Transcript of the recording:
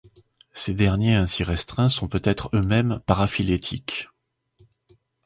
Ces derniers ainsi retreints sont peut-être eux-mêmes paraphylétiques.